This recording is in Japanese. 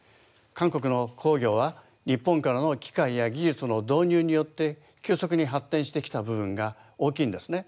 韓国の工業は日本からの機械や技術の導入によって急速に発展してきた部分が大きいんですね。